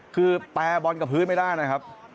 คือแปลบอลกับพื้นไม่ได้นะครับ